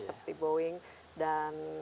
seperti boeing dan